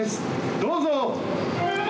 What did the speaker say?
どうぞ。